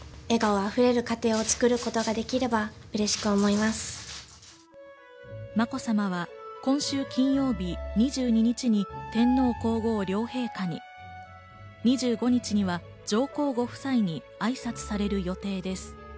まこさまは今週金曜日、２２日に天皇皇后両陛下に、２５日には上皇ご夫妻にあいさつされる予定です。